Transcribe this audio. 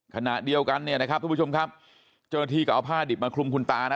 ขณะเดียวกันเนี่ยนะครับทุกผู้ชมครับเจ้าหน้าที่ก็เอาผ้าดิบมาคลุมคุณตานะ